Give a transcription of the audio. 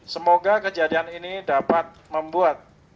semoga kejadian ini dapat membuat